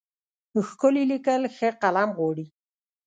ښکلي لیکل ښه قلم غواړي.